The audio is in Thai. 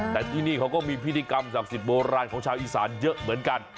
แต่ที่นี่เขาก็มีพิธีกรรมศักดิ์สิทธิโบราณของชาวอีสานเยอะเหมือนกัน